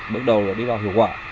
bước đầu đi vào hiệu quả